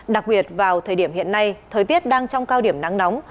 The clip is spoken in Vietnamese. đặc biệt vào thời điểm hiện nay thời tiết đang trong cao điểm nắng nóng